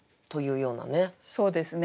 そうですね。